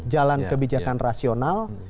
jalan kebijakan rasional